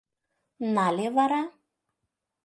— Нале вара?